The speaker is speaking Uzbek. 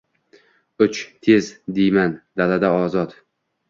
«Uch, tez, — deyman, — dalada ozod»